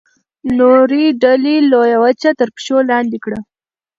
نورې ډلې لویه وچه تر پښو لاندې کړه.